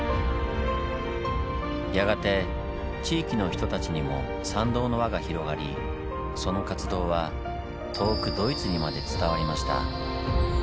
やがて地域の人たちにも賛同の輪が広がりその活動は遠くドイツにまで伝わりました。